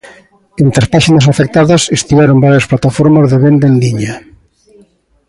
Entre as páxinas afectadas estiveron varias plataformas de venda en liña.